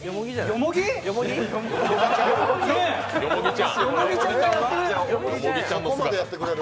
よもぎちゃんがやってくれる。